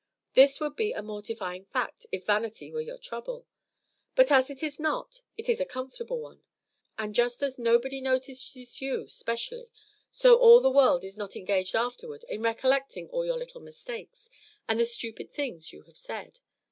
This would be a mortifying fact, if vanity were your trouble; but as it is not, it is a comfortable one. And just as nobody notices you specially, so all the world is not engaged afterward in recollecting all your little mistakes and the stupid things you have said.